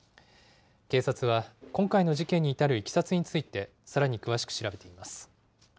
警察は今回の事件に至るいきさつについて、さらに詳しく調べています。